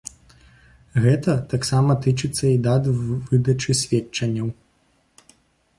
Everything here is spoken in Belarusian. Гэта таксама тычыцца і дат выдачы сведчанняў.